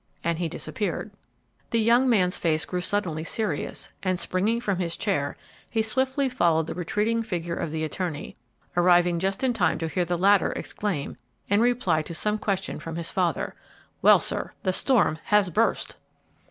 and he disappeared. The young man's face grew suddenly serious, and, springing from his chair, he swiftly followed the retreating figure of the attorney, arriving just in time to hear the latter exclaim, in reply to some question from his father, "Well, sir, the storm has burst!"